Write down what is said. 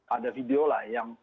ada video lah yang